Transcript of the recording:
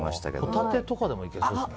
ホタテとかでもいけそうですね。